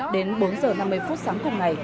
đến bốn h năm mươi phút sáng cùng ngày